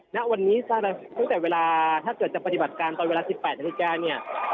ณวันนี้ตั้งแต่เวลาถ้าเกิดจะปฏิบัติการตอนเวลา๑๘นาฬิกาเนี่ย